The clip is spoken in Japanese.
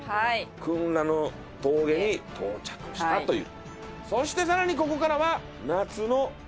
クン・ラの峠に到着したという。